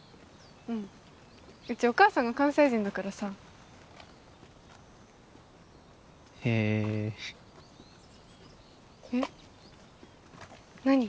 うんうちお母さんが関西人だからさへええっ何？